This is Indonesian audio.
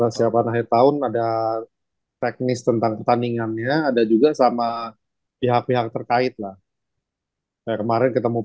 oke gitu tapi sejauh ini